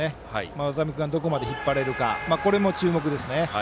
渡邉君をどこまで引っ張れるかも注目ですね。